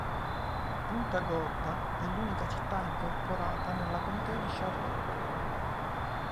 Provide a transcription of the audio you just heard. Punta Gorda è l'unica città incorporata nella Contea di Charlotte.